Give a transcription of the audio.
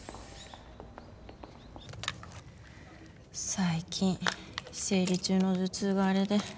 最近生理中の頭痛があれで。